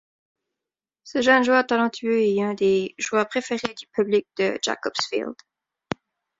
Ce jeune joueur talentueux est l'un des joueurs préférés du public de Jacobs Field.